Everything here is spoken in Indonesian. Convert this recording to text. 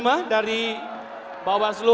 penanda tanganan berita acara